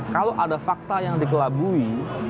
kalau ada fakta yang dikelabui